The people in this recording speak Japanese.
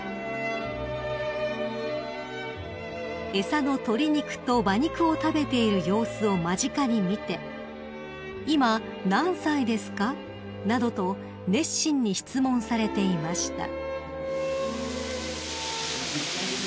［餌の鶏肉と馬肉を食べている様子を間近に見て「今何歳ですか？」などと熱心に質問されていました］